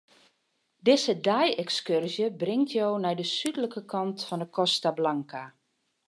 Dizze dei-ekskurzje bringt jo nei de súdlike kant fan 'e Costa Blanca.